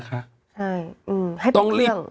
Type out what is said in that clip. ใช่ให้ปิดเครื่อง